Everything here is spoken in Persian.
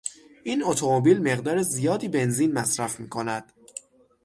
این اتومبیل مقدار زیادی بنزین مصرف میکند.